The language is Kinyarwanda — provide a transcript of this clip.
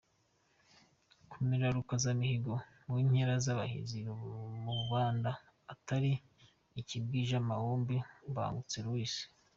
Komera Rukazamihigo mu nkera y’abahizi Mubanda utari ikibwija Maombi Mbangutse Louis.